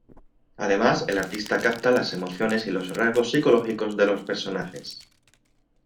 Además, el artista capta las emociones y los rasgos psicológicos de los personajes.